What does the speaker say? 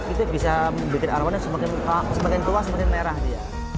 itu bisa bikin arwana semakin tua semakin merah dia